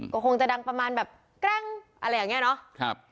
ก็คงจะดังประมาณแบบแกร้งอะไรอย่างนี้เนาะ